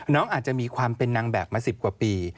น้องอาจจะมีความเป็นนางแบบมา๑๐กว่าปี